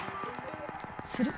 する？